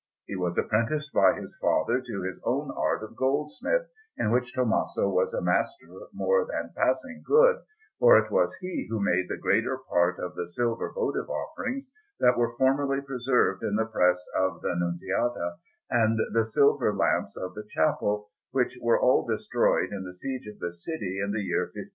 He was apprenticed by his father to his own art of goldsmith, in which Tommaso was a master more than passing good, for it was he who made the greater part of the silver votive offerings that were formerly preserved in the press of the Nunziata, and the silver lamps of the chapel, which were all destroyed in the siege of the city in the year 1529.